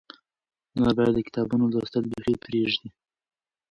نور باید د کتابونو لوستل بیخي پرېږدې.